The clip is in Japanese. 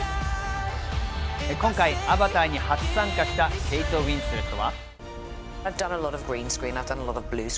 今回『アバター』に初参加したケイト・ウィンスレットは。